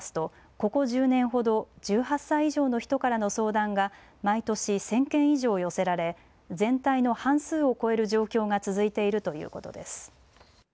ここ１０年ほど１８歳以上の人からの相談が毎年１０００件以上寄せられ全体の半数を超える状況が続いているということです。